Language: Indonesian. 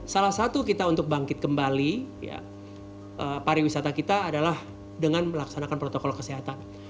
salah satu kita untuk bangkit kembali pariwisata kita adalah dengan melaksanakan protokol kesehatan